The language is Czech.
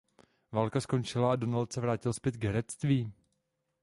Válka skončila a Donald se vrátil zpět k herectví.